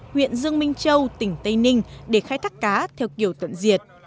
huyện dương minh châu tỉnh tây ninh để khai thác cá theo kiểu tận diệt